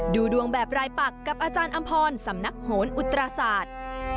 ดูดวงแบบรายปักกับอาจารย์อำพรสำนักโหนอุตราศาสตร์